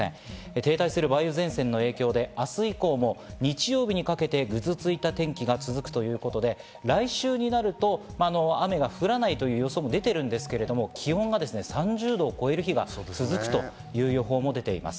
停滞する梅雨前線の影響で明日以降も日曜日にかけてぐずついた天気が続くということで、来週になると雨が降らないという予想も出ているんですけど、気温が３０度を超える日が続くという予報も出ています。